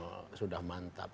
mereka yang sudah mantap